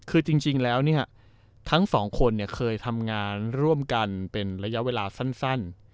คือจริงแล้วเนี่ยทั้งสองคนเคยทำงานร่วมกันเป็นระยะเวลาสั้น